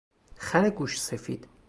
خر گوش سفید